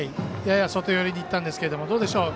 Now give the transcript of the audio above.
やや外寄りにいったんですけど、どうでしょう。